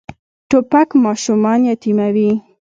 توپک ماشومان یتیموي.